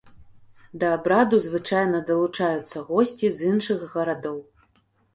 Да абраду звычайна далучаюцца госці з іншых гарадоў.